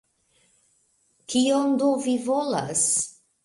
Kion do vi volas?